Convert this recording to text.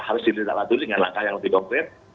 harus ditindaklanjuti dengan langkah yang lebih konkret